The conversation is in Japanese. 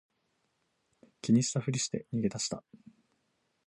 気にしたふりして逃げ出した